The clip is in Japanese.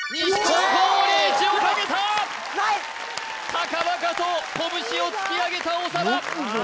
高々と拳を突き上げた長田よくぞまあ